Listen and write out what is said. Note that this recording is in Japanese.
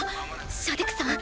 シャディクさん